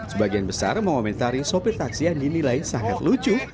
sebagian besar mengomentari sopir taksi yang dinilai sangat lucu